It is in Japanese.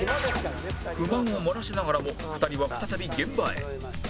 不満を漏らしながらも２人は再び現場へ